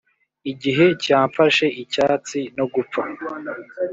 igihe cyamfashe icyatsi no gupfa